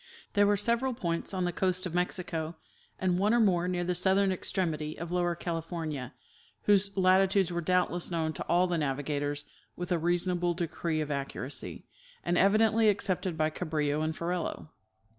Tliere were several points on the coast of Mexico, and one or more near the southern extremity of Lower California, whose latitudes were doubtless known to all the navigators with a rea sonable decree of accuracy, and evidently accepted by Cabrillo and Ferrelo.